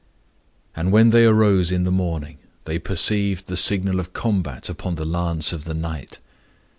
And when they arose in the morning, they perceived the signal of combat upon the lance of the knight.